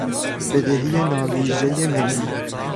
بدهی ناویژه ملی